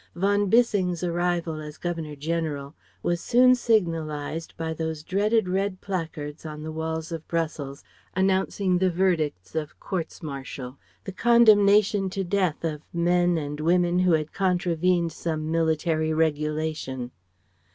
Von Bissing's arrival as Governor General was soon signalized by those dreaded Red Placards on the walls of Brussels, announcing the verdicts of courts martial, the condemnation to death of men and women who had contravened some military regulation.